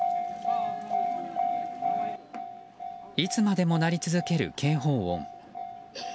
いつまでも鳴り続ける警報音。